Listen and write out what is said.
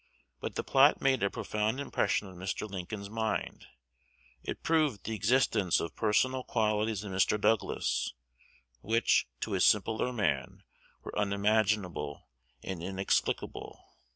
But the plot made a profound impression on Mr. Lincoln's mind: it proved the existence of personal qualities in Mr. Douglas, which, to a simpler man, were unimaginable and inexplicable.